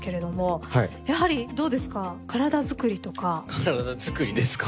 体づくりですか？